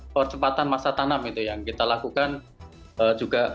percepatan masa tanam itu yang kita lakukan juga